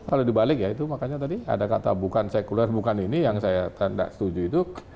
kalau dibalik ya itu makanya tadi ada kata bukan sekuler bukan ini yang saya tanda setuju itu